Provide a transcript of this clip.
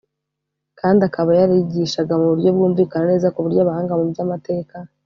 kandi akaba yarigishaga mu buryo bwumvikana neza ku buryo abahanga mu by amateka